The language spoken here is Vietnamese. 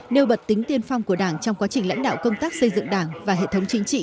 nêu bật tính tiên phong của đảng trong quá trình lãnh đạo công tác xây dựng đảng và hệ thống chính trị